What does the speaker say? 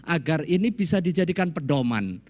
agar ini bisa dijadikan pedoman